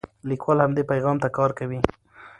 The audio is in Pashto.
لیکوال همدې پیغام ته کار کوي.